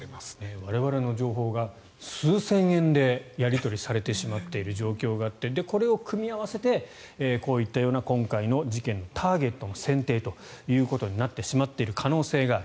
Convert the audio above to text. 我々の情報が数千円でやり取りされてしまっている状況があってこれを組み合わせてこういった今回の事件のようなターゲットの選定ということになってしまっている可能性がある。